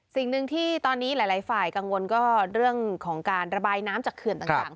สิ่งหนึ่งที่ตอนนี้หลายฝ่ายกังวลก็เรื่องของการระบายน้ำจากเขื่อนต่าง